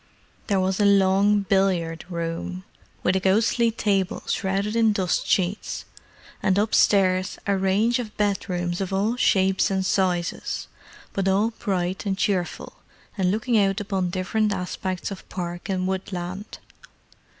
There was a long billiard room, with a ghostly table shrouded in dust sheets; and upstairs, a range of bedrooms of all shapes and sizes, but all bright and cheerful, and looking out upon different aspects of park and woodland.